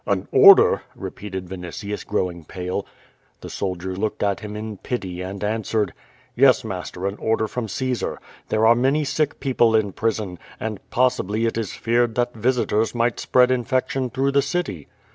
"An order?" repeated Vinitius, growing pale. The soldiers looked at him in pity and answered: "Yes, master, an order from Caesar. There are many sick people in prison, and possibly it is feared that visitors might spread infection through the city."